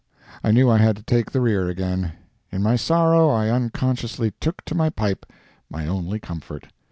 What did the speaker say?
I knew I had to take the rear again. In my sorrow I unconsciously took to my pipe, my only comfort.